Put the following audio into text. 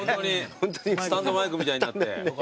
スタンドマイクみたいになって。